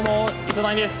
糸谷です。